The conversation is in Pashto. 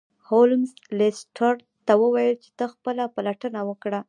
هولمز لیسټرډ ته وویل چې ته خپله پلټنه وکړه.